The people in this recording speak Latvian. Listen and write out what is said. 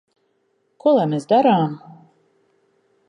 Ko lai mēs darām?